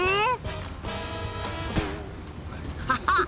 ハハハ！